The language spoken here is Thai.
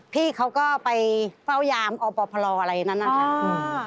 พี่เขาก็ไปเฝ้ายามอปพลอะไรนั้นนะคะ